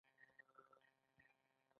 کوڅه ډب کس به یې لومړی په څپېړو واهه